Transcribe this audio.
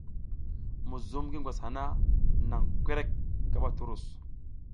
Muzum ngi ngwas hana, nan kwerek kaɓa turus.